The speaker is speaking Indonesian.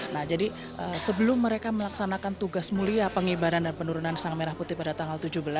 nah jadi sebelum mereka melaksanakan tugas mulia pengibaran dan penurunan sang merah putih pada tanggal tujuh belas